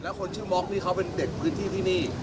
แล้วคนชื่อม็อกนี่เขาเป็นเด็กพื้นที่ที่นี่